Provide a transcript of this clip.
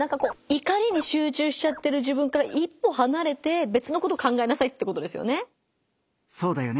怒りに集中しちゃってる自分から一歩はなれて別のことを考えなさいってことですよね。